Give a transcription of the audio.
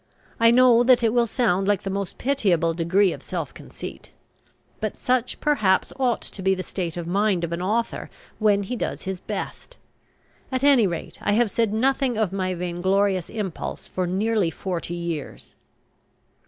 I know that it will sound like the most pitiable degree of self conceit. But such perhaps ought to be the state of mind of an author when he does his best. At any rate, I have said nothing of my vainglorious impulse for nearly forty years.